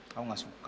kamu gak suka